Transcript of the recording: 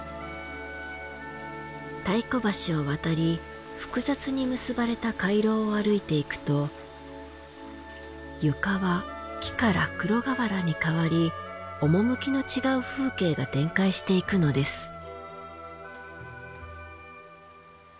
太鼓橋を渡り複雑に結ばれた回廊を歩いていくと床は木から黒瓦に変わり趣の違う風景が展開していくのです。